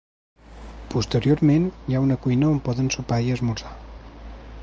Posteriorment hi ha una cuina on poden sopar i esmorzar.